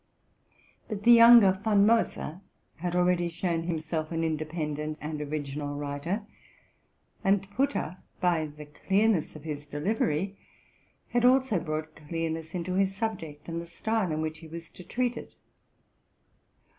But the younger Von Moser had already shown himself an independent and original writer; and Putter, by the clearness of his delivery, had also brought clearness into his subject, and the style in which he was to treat it.